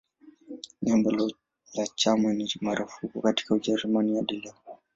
Nembo la chama ni marufuku katika Ujerumani hadi leo.